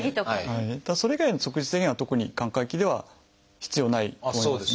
ただそれ以外の食事制限は特に寛解期では必要ないと思いますね。